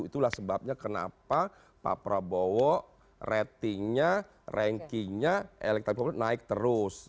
itulah sebabnya kenapa pak prabowo ratingnya rankingnya elektabilitas naik terus